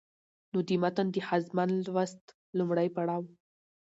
نو د متن د ښځمن لوست لومړى پړاو